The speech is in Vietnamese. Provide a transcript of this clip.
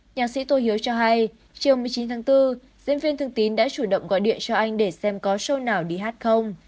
nhạc sĩ tô hiếu cho hay chiều một mươi chín tháng bốn diễn viên thương tín đã chủ động gọi điện cho anh để xem có show nào đi hát không